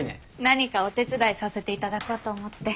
何かお手伝いさせて頂こうと思って。